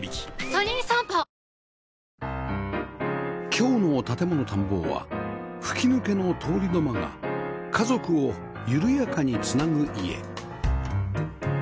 今日の『建もの探訪』は吹き抜けの通り土間が家族を緩やかにつなぐ家